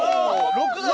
「６」だ！